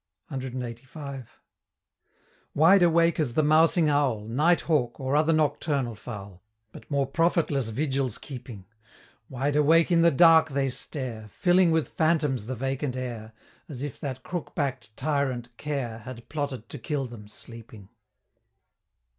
_ CLXXXV. Wide awake as the mousing owl, Night hawk, or other nocturnal fowl, But more profitless vigils keeping, Wide awake in the dark they stare, Filling with phantoms the vacant air, As if that Crookback'd Tyrant Care Had plotted to kill them sleeping.